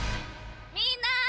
みんなー！